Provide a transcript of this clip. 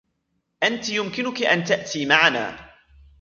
أنتِ يمكنكِ أن تأتي معنا.